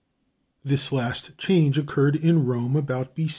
This last change occurred in Rome about B.